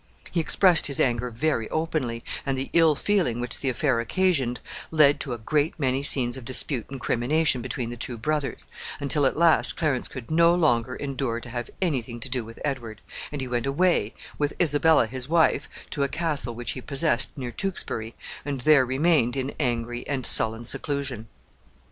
He expressed his anger very openly, and the ill feeling which the affair occasioned led to a great many scenes of dispute and crimination between the two brothers, until at last Clarence could no longer endure to have any thing to do with Edward, and he went away, with Isabella his wife, to a castle which he possessed near Tewkesbury, and there remained, in angry and sullen seclusion.